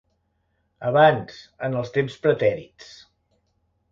Abans, en els temps pretèrits.